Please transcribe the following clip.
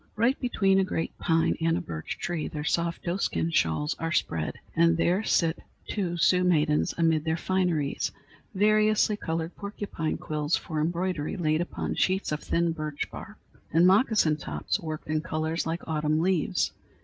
Right between a great pine and a birch tree their soft doeskin shawls are spread, and there sit two Sioux maidens amid their fineries variously colored porcupine quills for embroidery laid upon sheets of thin birch bark, and moccasin tops worked in colors like autumn leaves.